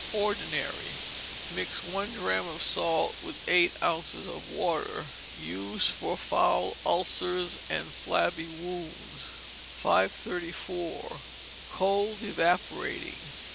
Ordinary. Mix one drachm of salt with eight ounces of water. Use for foul ulcers and flabby wounds. 534. Cold Evaporating.